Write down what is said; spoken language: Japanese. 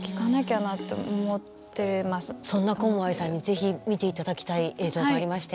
そんなコムアイさんにぜひ見ていただきたい映像がありまして。